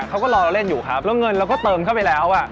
เขาก็รอเราเล่นอยู่ครับแล้วเงินเราก็เติมเข้าไปแล้วอ่ะ